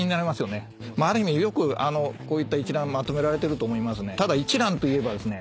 よくこういった一覧まとめられてると思いますね。